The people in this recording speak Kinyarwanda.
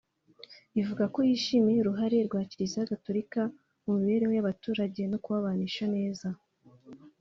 ivuga ko yishimira uruhare rwa Kiliziya Gatolika mu mibereho y’abaturage no kubabanisha neza